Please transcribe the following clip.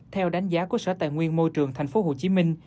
theo đánh giá của sở tài nguyên môi trường thành phố hồ chí minh